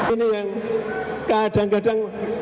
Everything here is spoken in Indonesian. ini yang kadang kadang